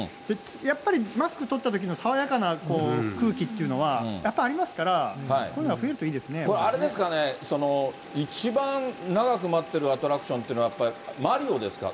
やっぱりマスク取ったときの爽やかな空気っていうのは、やっぱりありますから、これ、あれですかね、一番長く待ってるアトラクションというのは、マリオですか？